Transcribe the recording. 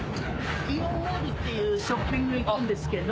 イオンモールっていうショッピング行くんですけど。